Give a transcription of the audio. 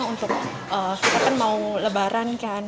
terus kita kan mau lebaran kan